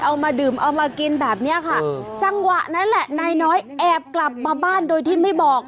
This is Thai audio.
เอามาดื่มเอามากินแบบเนี้ยค่ะจังหวะนั้นแหละนายน้อยแอบกลับมาบ้านโดยที่ไม่บอก